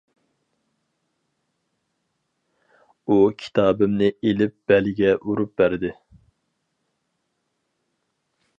ئۇ كىتابىمنى ئىلىپ بەلگە ئۇرۇپ بەردى.